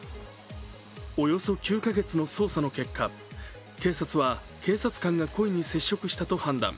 およそ９か月の捜査の結果、警察は、警察官が故意に接触したと判断。